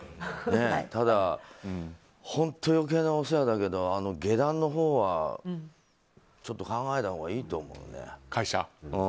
ただ、本当に余計なお世話だけど下段のほうはちょっと考えたほうがいいと思うね。